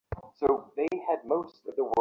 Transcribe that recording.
না চাহিল তাহাকে-তাতেই বা কি?